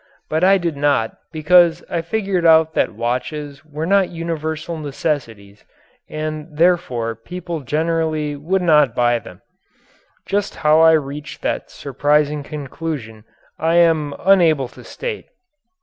But I did not because I figured out that watches were not universal necessities, and therefore people generally would not buy them. Just how I reached that surprising conclusion I am unable to state.